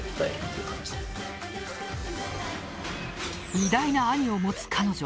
偉大な兄を持つ彼女。